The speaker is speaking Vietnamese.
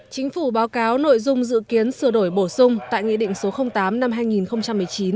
chính phủ báo cáo nội dung dự kiến sửa đổi bổ sung tại nghị định số tám năm hai nghìn một mươi chín